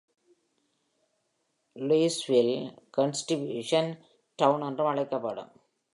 Louisville, "Constitution Town" என்றும் அழைக்கப்படும்.